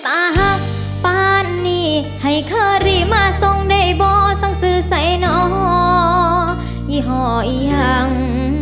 ตาหักปานนี้ให้เค้าริมาส่งได้บ่สังสื่อใส่หน่อยี่ห่อยี่ห่าง